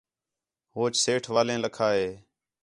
ہوچ سیٹھ والیں لَکھا ہِے